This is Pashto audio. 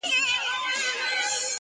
چي خوشحال په زړه زخمي ورڅخه ولاړی.!